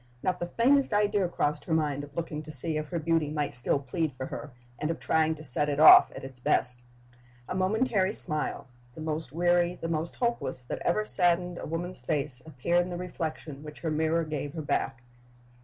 Not the faintest idea crossed her mind of looking to see if her beauty might still plead for her, and of trying to set it off at its best. A momentary smile, the most weary, the most hopeless, that ever saddened a woman's face, appeared in the reflection which her mirror gave her back.